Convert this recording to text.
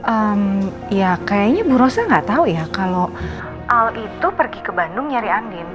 ehm ya kayaknya bu rosa gak tau ya kalo al itu pergi ke bandung nyari andin